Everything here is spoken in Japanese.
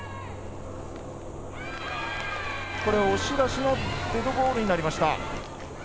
これは押し出しのデッドボールになりました。